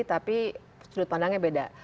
tapi sudut pandangnya beda